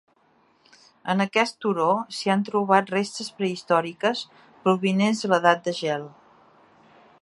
En aquest turó s'hi han trobat restes prehistòriques provinents de l'edat de gel.